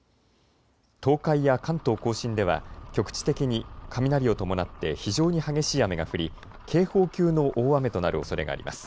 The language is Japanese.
東海や関東甲信では局地的に雷を伴って非常に激しい雨が降り警報級の大雨となるおそれがあります。